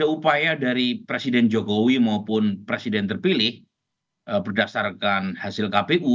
upaya dari presiden jokowi maupun presiden terpilih berdasarkan hasil kpu